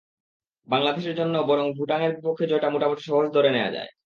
বাংলাদেশের জন্য বরং ভুটানের বিপক্ষে জয়টা মোটামুটি সহজ ধরে নেওয়া যায়।